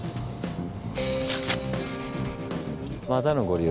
またのご利用